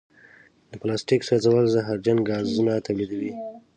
د پلاسټیک سوځول زهرجن ګازونه تولیدوي.